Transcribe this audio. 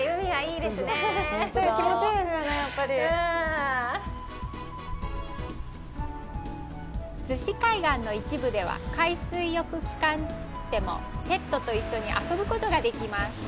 逗子海岸の一部では海水浴期間でもペットと一緒に遊ぶことができます。